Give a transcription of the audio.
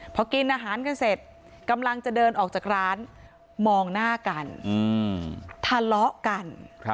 พอกินอาหารกันเสร็จกำลังจะเดินออกจากร้านมองหน้ากันทะเลาะกัน